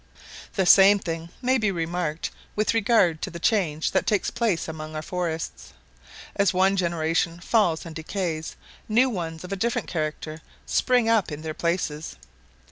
The same thing may be remarked with regard to the change that takes place among our forests. As one generation falls and decays, new ones of a different character spring up in their places.